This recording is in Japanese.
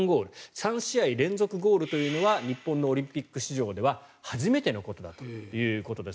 ３試合連続ゴールは日本のオリンピック史上では初めてのことだということです。